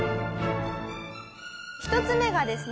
１つ目がですね